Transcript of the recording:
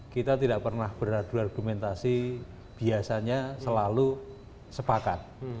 kita tidak pernah beradu argumentasi biasanya selalu sepakat